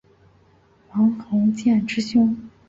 王鸿渐之兄。